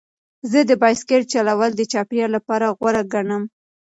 زه د بایسکل چلول د چاپیریال لپاره غوره ګڼم.